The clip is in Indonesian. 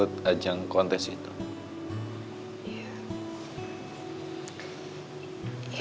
ya olho ada ke ph st cresi juga